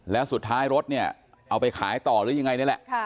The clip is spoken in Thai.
แล้วสุดท้ายรถเนี่ยเอาไปขายต่อหรือยังไงนี่แหละ